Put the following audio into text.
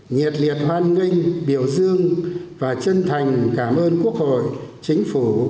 nhiệt liệt hoan nghênh biểu dương và chân thành cảm ơn quốc hội chính phủ